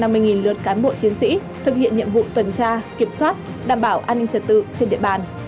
trên bảy trăm năm mươi lượt cán bộ chiến sĩ thực hiện nhiệm vụ tuần tra kiểm soát đảm bảo an ninh trật tự trên địa bàn